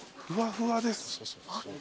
ふわふわです。